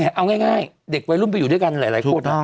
เอาง่ายเด็กวัยรุ่นไปอยู่ด้วยกันหลายคน